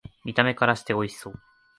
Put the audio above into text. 見た目からしておいしそう